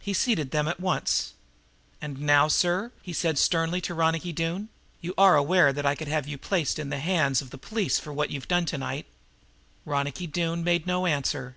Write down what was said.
He seated them at once. "And now, sir," he said sternly to Ronicky Doone, "you are aware that I could have placed you in the hands of the police for what you've done tonight?" Ronicky Doone made no answer.